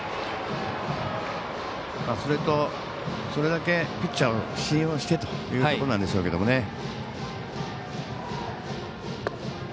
それと、それだけピッチャーを信用してということなんでしょうけどね。